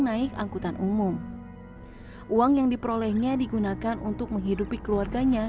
naik angkutan umum uang yang diperolehnya digunakan untuk menghidupi keluarganya